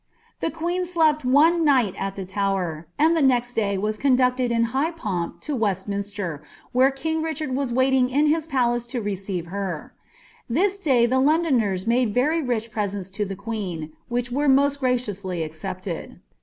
'" The queen slept one ■ ,ii 'lu' Tower, and the next day waa conducted in high pomp ts I I I IT. where king Richard was wailing in his palace lo receiv* ' I Till day the Londoners made very rich preseiiis to the quee^ U'iiich were most graciously accepted.